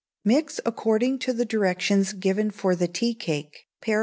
Mix according to the directions given for the tea cake (par.